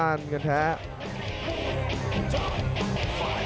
ยังไม่ฟื้นเลยครับทางด้าน